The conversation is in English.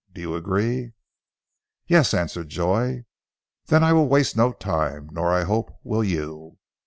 Do you agree?" "Yes," answered Joy. "Then I will waste no time, nor, I hope, will you."